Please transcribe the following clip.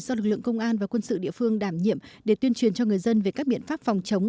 do lực lượng công an và quân sự địa phương đảm nhiệm để tuyên truyền cho người dân về các biện pháp phòng chống